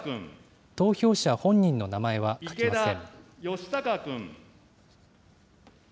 投票者本人の名前は書きません。